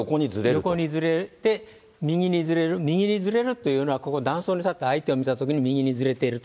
横にずれて、右にずれる、右にずれるというのは、ここ、断層に立って相手を見たときに、右にずれていると。